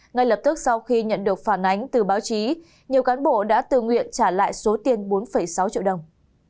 ngay lập tức sau khi nhận được phản ánh từ báo chí nhiều cán bộ đã tự nguyện trả lại số tiền bốn sáu triệu đồng